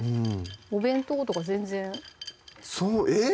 お弁当とか全然えっ？